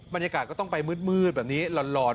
บรรยากาศก็ต้องไปมืดแบบนี้หลอน